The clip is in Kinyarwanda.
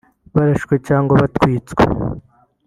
barashwe cyangwa batwitswe